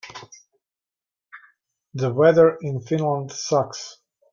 The weather in Finland sucks.